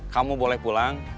kamu boleh pulang